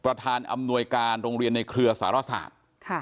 อำนวยการโรงเรียนในเครือสารศาสตร์